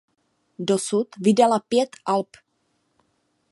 Dosud vydala pět alb.